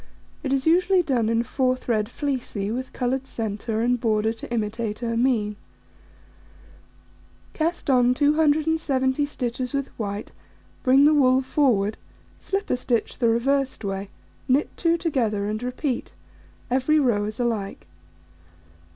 It is usually done in 4 thread fleecy, with coloured centre, and border to imitate ermine. Cast on 270 stitches with white, bring the wool forward, slip a stitch the reversed way, knit 2 together, and repeat: every row is alike.